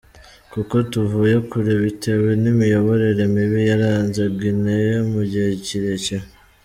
Kuko tuvuye kure bitewe n’imiyoborere mibi yaranze Guinée mu gihe kirekire.